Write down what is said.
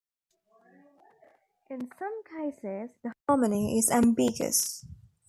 In some cases, the harmony is ambiguous.